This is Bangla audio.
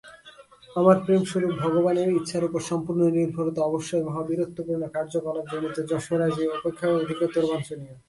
আর প্রেমস্বরূপ ভগবানের ইচ্ছার উপর সম্পূর্ণ নির্ভরতা অবশ্যই মহাবীরত্বপূর্ণ কার্যকলাপজনিত যশোরাশি অপেক্ষা অধিকতর বাঞ্ছনীয়।